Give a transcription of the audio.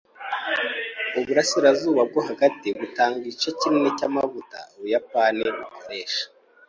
Uburasirazuba bwo hagati butanga igice kinini cyamavuta Ubuyapani bukoresha.